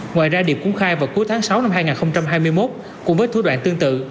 ngoài ra điệp cũng khai vào cuối tháng sáu năm hai nghìn hai mươi một cùng với thủ đoạn tương tự